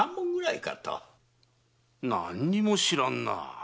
何にも知らんな。